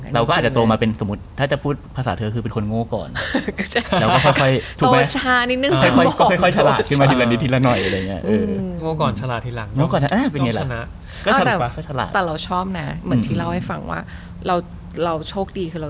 เราก็อาจจะโตมาเป็นถ้าจะพูดภาษาเธอก็คือก